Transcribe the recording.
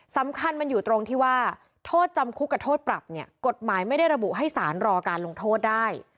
สำคัญมันอยู่ตรงที่ว่าโทษจำคุกกับโทษปรับเนี่ยกฎหมายไม่ได้ระบุให้สารรอการลงโทษได้